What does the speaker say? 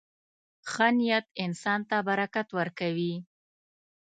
• ښه نیت انسان ته برکت ورکوي.